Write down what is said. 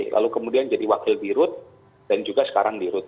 lalu kemudian jadi wakil birut dan juga sekarang birut